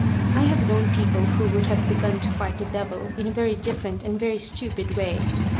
I have known people who would have begun to fight the devil in a very different and a very stupid way.